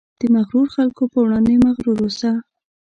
د مغرورو خلکو په وړاندې مغرور اوسه.